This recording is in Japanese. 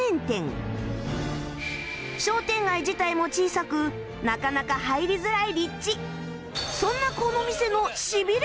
商店街自体も小さくなかなか入りづらい立地